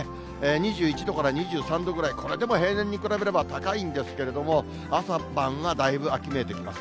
２１度から２３度ぐらい、これでも平年に比べれば高いんですけれども、朝晩だいぶ秋めいてきます。